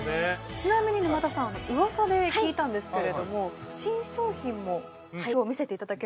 ちなみに沼田さんウワサで聞いたんですけれども新商品も今日見せていただけるんですよね？